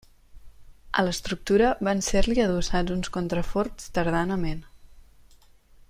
A l'estructura van ser-li adossats uns contraforts tardanament.